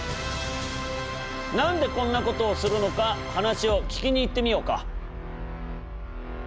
何でこんなことをするのか話を聞きに行ってみようか。